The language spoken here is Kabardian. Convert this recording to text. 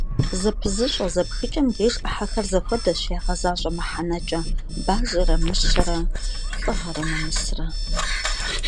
Зэпызыщӏэ зэпхыкӏэм деж ӏыхьэхэр зэхуэдэщ ягъэзащӏэ мыхьэнэкӏэ: бажэрэ мыщэрэ, лӏыгъэрэ нэмысрэ.